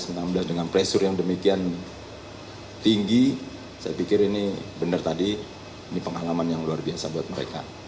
namun sayangnya timnas indonesia berhasil mencetak gol lebih dulu pada menit ke tujuh belas